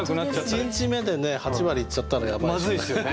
１日目でね８割いっちゃったらやばいですよね。